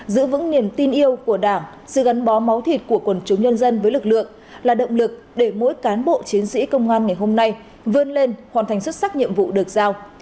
giữ vững niềm tin yêu của đảng sự gắn bó máu thịt của quần chúng nhân dân với lực lượng là động lực để mỗi cán bộ chiến sĩ công an ngày hôm nay vươn lên hoàn thành xuất sắc nhiệm vụ được giao